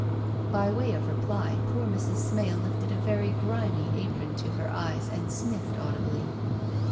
By way of reply poor Mrs. Smale lifted a very grimy apron to her eyes and sniffed audibly.